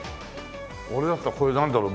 俺だったらこれなんだろう？